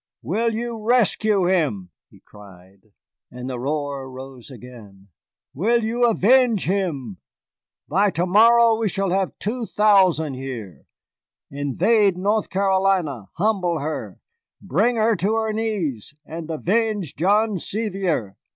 "Will you rescue him?" he cried, and the roar rose again. "Will you avenge him? By to morrow we shall have two thousand here. Invade North Carolina, humble her, bring her to her knees, and avenge John Sevier!"